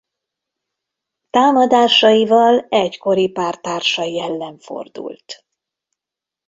Támadásaival egykori párttársai ellen fordult.